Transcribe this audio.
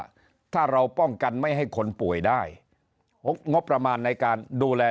ว่าถ้าเราป้องกันไม่ให้คนป่วยได้งบประมาณในการดูแล